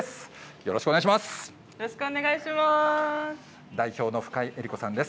よろしくお願いします。